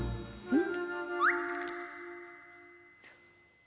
うん？